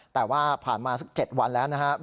แต่ว่าผ่านมาสัก๗วันแล้วนะครับ